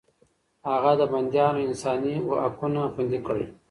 هغه د بنديانو انساني حقونه خوندي کړل.